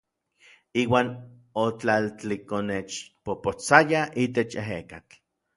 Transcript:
Iuan otlaltlikonexpopotsayaj itech ejekatl.